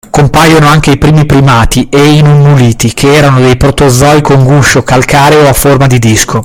Compaiono anche i primi primati e i nummuliti che erano dei protozoi con guscio calcareo a forma di disco.